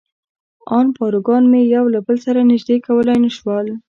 ان پاروګان مې یو له بل سره نژدې کولای نه شول.